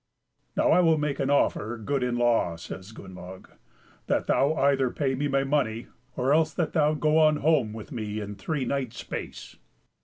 "Now I will make an offer good in law," says Gunnlaug; "that thou either pay me my money, or else that thou go on holm with me in three nights' space."